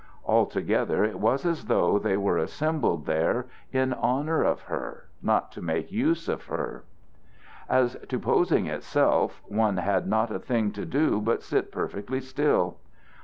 Altogether it was as though they were assembled there in honor of her, not to make use of her. As to posing itself, one had not a thing to do but sit perfectly still!